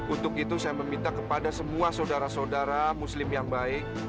untuk itu saya meminta kepada semua saudara saudara muslim yang baik